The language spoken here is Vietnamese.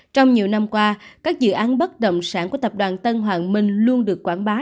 trong nhiều năm qua các dự án bất động sản của tập đoàn tân hoàng minh luôn được quảng bá